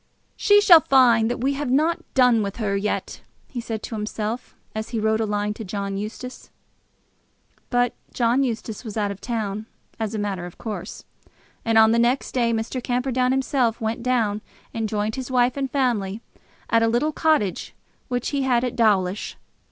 "She shall find that we have not done with her yet," he said to himself, as he wrote a line to John Eustace. But John Eustace was out of town, as a matter of course; and on the next day Mr. Camperdown himself went down and joined his wife and family at a little cottage which he had at Dawlish.